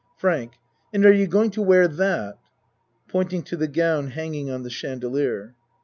FRANK And are you going to wear that? (Pointing to the gown hanging on the chandelier.)